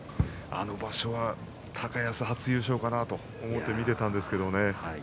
あの場所は高安、初優勝かなと思って見ていたんですけれどもね。